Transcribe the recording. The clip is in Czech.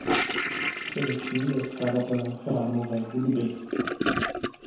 Především byl skladatelem chrámové hudby.